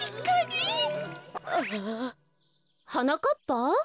はなかっぱ？